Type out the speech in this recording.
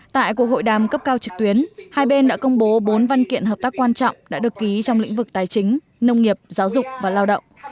tại cuộc hội đàm cấp cao trực tuyến hai bên đã công bố bốn văn kiện hợp tác quan trọng đã được ký trong lĩnh vực tài chính nông nghiệp giáo dục và lao động